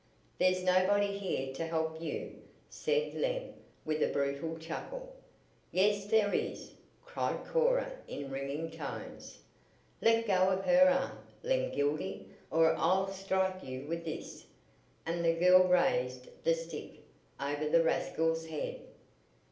"There's nobody here to help you," said Lem with a brutal chuckle. "Yes, there is!" cried Cora in ringing tones. "Let go of her arm, Lem Gildy, or I'll strike you with this!" and the girl raised the stick over the rascal's head.